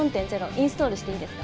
インストールしていいですか？